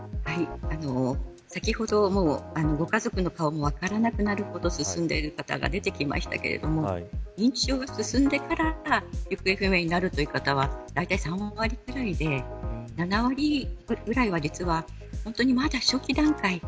先ほども、ご家族の顔も分からなくなるほど進んでる方が出てきましたけれども認知症が進んでから行方不明になるという方はだいたい３割ぐらいで７割ぐらいは本当にまだ初期段階。